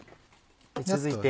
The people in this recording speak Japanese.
続いて。